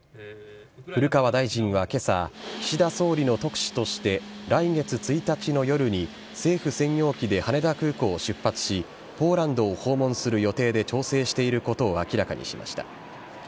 古川大臣はけさ、岸田総理の特使として、来月１日の夜に、政府専用機で羽田空港を出発し、ポーランドを訪問する予定でちょうせいしていることをあきらかにしました。